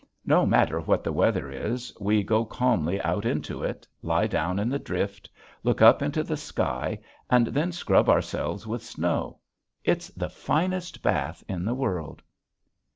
No matter what the weather is we go calmly out into it, lie down in the drift, look up into the sky, and then scrub ourselves with snow. It's the finest bath in the world.